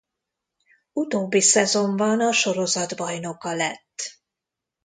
Utóbbi szezonban a sorozat bajnoka lett.